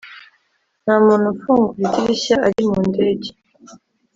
ntamuntu ufungura idirishya ari mundege